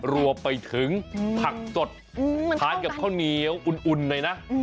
รวบไปถึงผักจดอืมทานกับข้าวเนียวอุ่นอุ่นเลยน่ะอืม